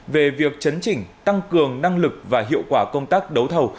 về việc chấn chỉnh tăng cường năng lực và hiệu quả công tác đấu thầu